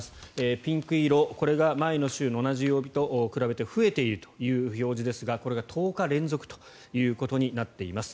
ピンク色これが前の週の同じ曜日と比べて増えているという表示ですがこれが１０日連続となっています。